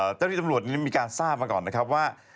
เจ้าหน้าที่ตำรวจมีการทราบมาก่อนนะครับว่า